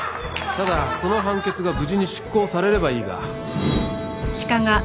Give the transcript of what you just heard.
ただその判決が無事に執行されればいいが。